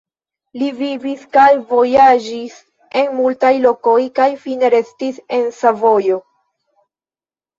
Li vivis kaj vojaĝis en multaj lokoj kaj fine restis en Savojo.